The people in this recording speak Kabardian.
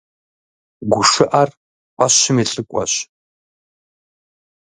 ГушыӀэр фӀэщым и лӀыкӀуэщ.